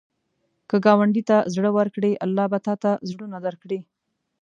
که ګاونډي ته زړه ورکړې، الله به تا ته زړونه ورکړي